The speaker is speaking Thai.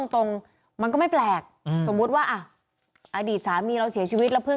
ตรงมันก็ไม่แปลกสมมุติว่าอ่ะอดีตสามีเราเสียชีวิตแล้วเพิ่ง